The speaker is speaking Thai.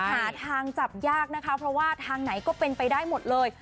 หาทางจับยากนะคะเพราะว่าทางไหนก็เป็นไปได้หมดเลย